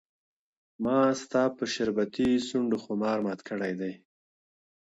ما ستا په شربتي سونډو خمار مات کړی دی,